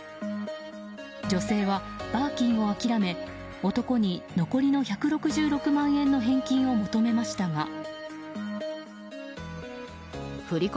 女性は、バーキンを諦め男に残りの１６６万円の返金を求めましたが。